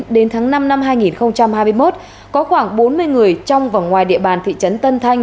đến tháng năm năm hai nghìn hai mươi một có khoảng bốn mươi người trong và ngoài địa bàn thị trấn tân thanh